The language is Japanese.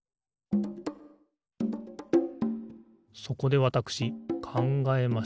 そこでわたくしかんがえました。